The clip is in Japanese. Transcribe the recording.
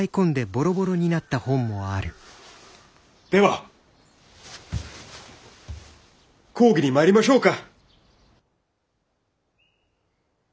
では講義に参りましょうか。